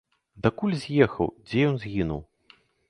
Дакуль з'ехаў, дзе ён згінуў?